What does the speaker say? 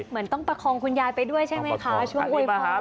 เหมือนต้องประคองคุณยายไปด้วยใช่ไหมคะช่วงอวยพร